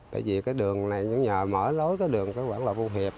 bởi vì cái đường này cũng nhờ mở lối cái đường của quản lộ vô hiệp